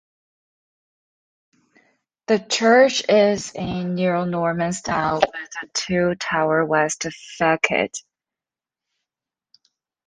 The church is in Neo-Norman style with a two-tower west facade.